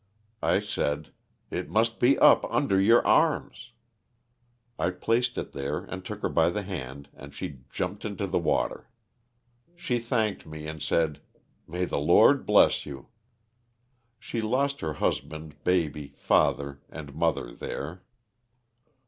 '' I said, ''it must be up under your arms." I placed ifc there, and took her by the hand and she jumped into the water. She thanked me and said, " may the Lord bless you." She lost her husband, baby, father, and mother there.